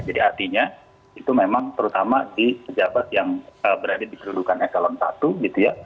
jadi artinya itu memang terutama di pejabat yang berada di perlindungan s ln satu gitu ya